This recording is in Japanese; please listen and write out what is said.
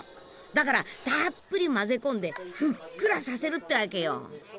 だからたっぷり混ぜ込んでふっくらさせるってわけよ。